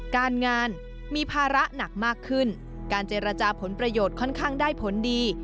การงานมีภาระหนักมากขึ้นการเจรจาผลประโยชน์ค่อนข้างได้ผลดี